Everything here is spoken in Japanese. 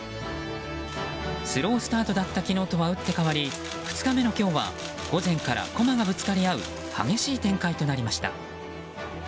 スロースタートだった昨日とは打って変わり、２日目の今日は午前から駒がぶつかり合う激しい展開となりました。